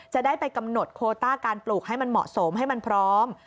จะได้ไปกำหนดโคต้าการปลูกให้มันเหมาะสมให้มันพร้อม